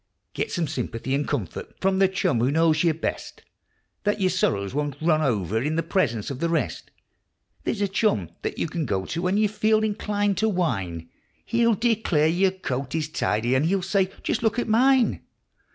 Get some sympathy and comfort from the chum who knows you best, Then your sorrows won't run over in the presence of the rest ; There's a chum that you can go to when you feel inclined to whine, He'll declare your coat is tidy, and he'll say : "Just look at mine